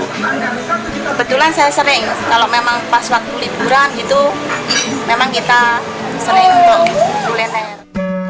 kebetulan saya sering kalau memang pas waktu liburan gitu memang kita sering untuk kuliner